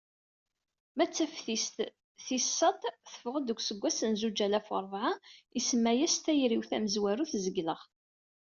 Ma d tasfift tis ssat teffeɣ-d deg useggas n zuǧ alaf u rebεa, isemma-as "Tayri-w tamezwarut zegleɣ."